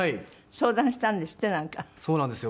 そうなんですよ